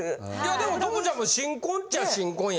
でも朋ちゃんも新婚ちゃあ新婚や。